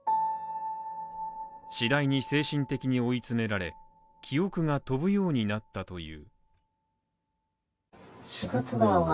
次第に精神的に追い詰められ、記憶が飛ぶようになったという。